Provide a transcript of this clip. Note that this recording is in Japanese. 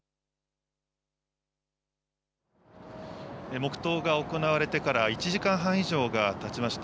黙とうが行われてから１時間半以上がたちました。